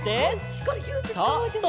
しっかりぎゅってつかまってね。